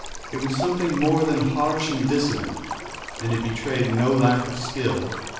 It was something more than harsh and dissonant, and it betrayed no lack of skill.